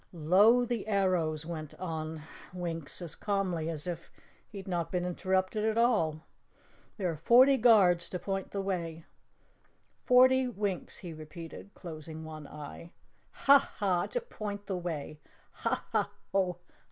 "'Low the arrows," went on Winks as calmly as if he had not been interrupted at all. "There are forty guards to point the way. Forty Winks," he repeated, closing one eye. "Ha, Ha! To point the way. Ha, Ha!